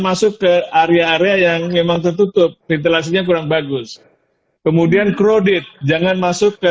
masuk ke area area yang memang tertutup ventilasinya kurang bagus kemudian crowded jangan masuk ke